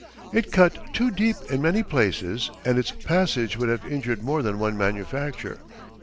It cut too deep in many places and its passage would have injured more than one manufacture.